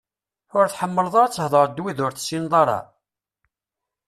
Ur tḥemmleḍ ara ad theḍṛeḍ d wid ur tessineḍ ara?